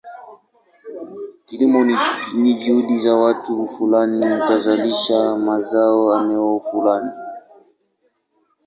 Kilimo ni juhudi za watu fulani kuzalisha mazao eneo fulani.